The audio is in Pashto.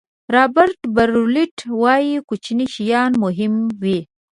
رابرټ براولټ وایي کوچني شیان مهم وي.